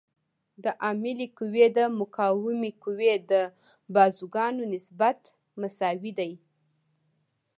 د عاملې قوې او مقاومې قوې د بازوګانو نسبت مساوي دی.